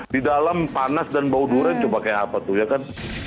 di dalam panas dan bau durian cuma kayak apa tuh ya kan